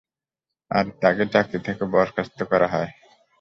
আর তাকে চাকরি থেকে বরখাস্ত করা হয়।